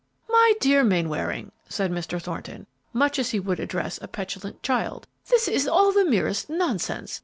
"My dear Mainwaring," said Mr. Thornton, much as he would address a petulant child, "this is all the merest nonsense.